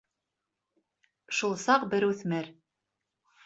Шул саҡ бер үҫмер: